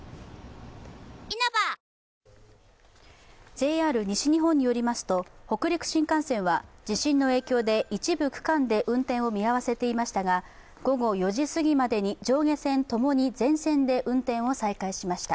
ＪＲ西日本によりますと北陸新幹線は地震の影響で一部区間で運転を見合わせていましたが午後４時すぎまでに上下線ともに全線で運転を再開しました。